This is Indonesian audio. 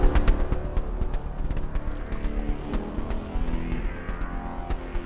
apa aku harus menunggu sampai al pulih